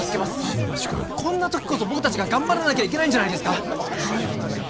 新町君こんな時こそ僕達が頑張らなきゃいけないんじゃないですか？